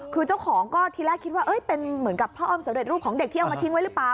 คือเจ้าของก็ทีแรกคิดว่าเป็นเหมือนกับพ่ออ้อมสำเร็จรูปของเด็กที่เอามาทิ้งไว้หรือเปล่า